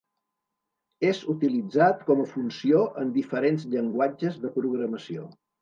És utilitzat com a funció en diferents llenguatges de programació.